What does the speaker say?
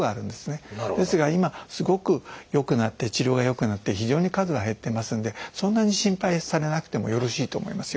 ですが今すごく治療がよくなって非常に数が減ってますのでそんなに心配されなくてもよろしいと思いますよ。